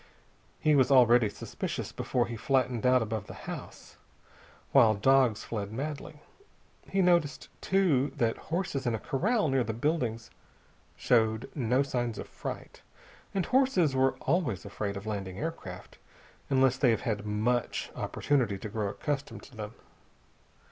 He was already suspicious before he flattened out above the house, while dogs fled madly. He noticed, too, that horses in a corral near the buildings showed no signs of fright. And horses are always afraid of landing aircraft, unless they have had much opportunity to grow accustomed to them.